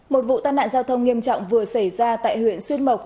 một vụ tai nạn giao thông nghiêm trọng vừa xảy ra tại huyện xuyên mộc